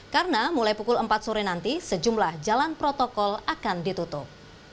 karena mulai pukul empat sore nanti sejumlah jalan protokol akan ditutup